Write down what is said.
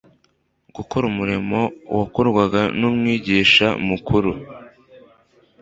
gukora umurimo wakorwaga n'Umwigisha mukuru.